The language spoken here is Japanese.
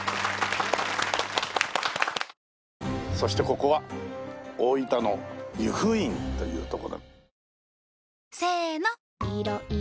そしてここは大分の由布院というとこ。